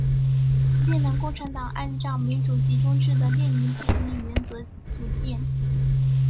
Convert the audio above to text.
越南共产党按照民主集中制的列宁主义原则组建。